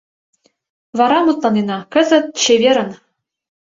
Вара мутланена, кызыт — чеверын!...